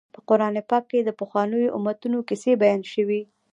په قران پاک کې د پخوانیو امتونو کیسې بیان شوي.